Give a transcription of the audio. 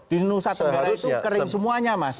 di nusa tenggara itu kering semuanya mas